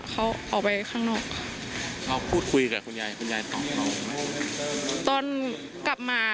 เค้าออกไปข้างนอก